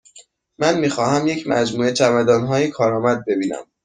من می خواهم یک مجموعه چمدانهای کارآمد ببینم.